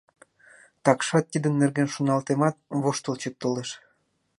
Такшат тидын нерген шоналтемат, воштылчык толеш.